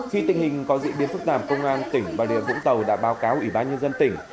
khi tình hình có diễn biến phức tạp công an tỉnh bà rịa vũng tàu đã báo cáo ủy ban nhân dân tỉnh